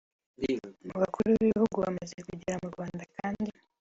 Mu bakuru b’ibihugu bamaze kugera mu Rwanda kandi